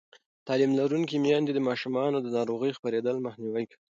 تعلیم لرونکې میندې د ماشومانو د ناروغۍ خپرېدل مخنیوی کوي.